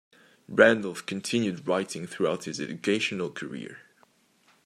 Randolph continued writing throughout his educational career.